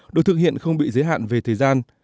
được thực hiện không bị giới hạn về thời gian